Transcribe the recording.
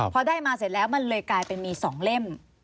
พอได้มาเสร็จแล้วมันเลยกลายเป็นมี๒เล่ม